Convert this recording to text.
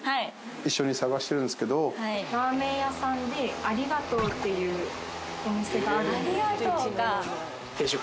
一緒に探してるんですけどラーメン屋さんでありがとうっていうお店があるんですけど